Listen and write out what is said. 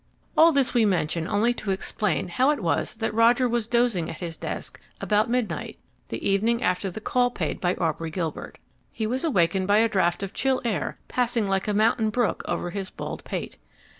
All this we mention only to explain how it was that Roger was dozing at his desk about midnight, the evening after the call paid by Aubrey Gilbert. He was awakened by a draught of chill air passing like a mountain brook over his bald pate.